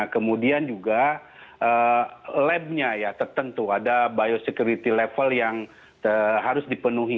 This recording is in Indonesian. kemudian juga labnya ya tertentu ada biosecurity level yang harus dipenuhi